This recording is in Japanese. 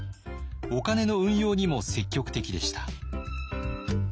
お金の運用にも積極的でした。